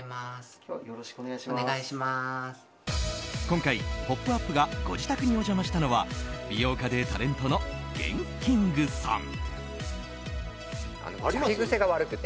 今回、「ポップＵＰ！」がご自宅にお邪魔したのは美容家でタレントのＧＥＮＫＩＮＧさん。